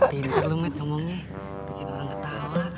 tidur dulu miet ngomongnya bikin orang ketawa